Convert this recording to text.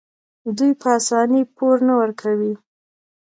دوی په اسانۍ پور نه ورکوي.